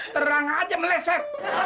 terang aja meleset